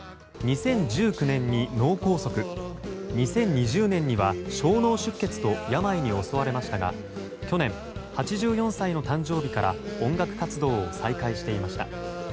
２０１９年に脳梗塞２０２０年には小脳出血と病に襲われましたが去年、８４歳の誕生日から音楽活動を再開していました。